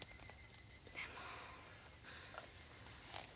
でも。